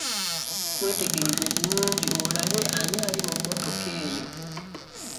Weetegereze bulungi olabe ani ali mu mmotoka eyo.